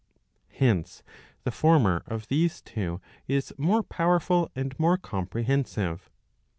Hence the former of these two is more powerful and more comprehensive.